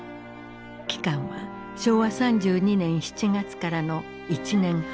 期間は昭和３２年７月からの１年半。